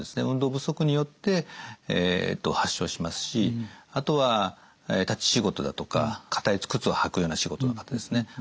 運動不足によって発症しますしあとは立ち仕事だとか硬い靴を履くような仕事の方ですね。